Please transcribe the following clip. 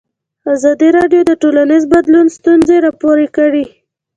ازادي راډیو د ټولنیز بدلون ستونزې راپور کړي.